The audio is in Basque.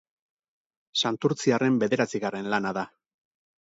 Santurtziarren bederatzigarren lana da.